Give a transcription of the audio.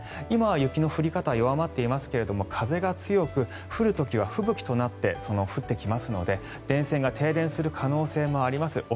今は雪の降り方弱まっていますけれど風が強く、降る時は吹雪となって降ってきますので電線が停電する可能性もあります。